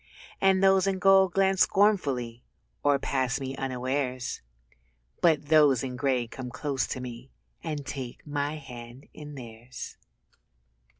And those in gold glance scornfully Or pass me unawares; But those in grey come close to me And take my hands in theirs.